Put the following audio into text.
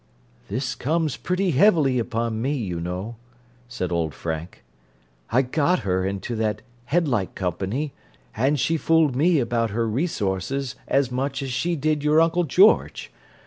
"This comes pretty heavily upon me, you know," said old Frank. "I got her into that headlight company, and she fooled me about her resources as much as she did your Uncle George.